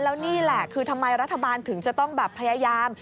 แล้วนี่แหละคือทำไมรัฐบาลถึงจะต้องแบบพยายาม